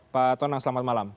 pak tonang selamat malam